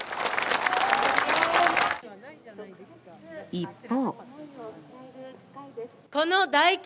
一方。